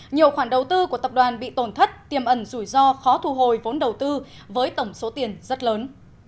nhiều khoản đầu tư của tập đoàn bị tổn thất tiềm ẩn rủi ro khó thu hồi vốn đầu tư với tổng số tiền rất lớn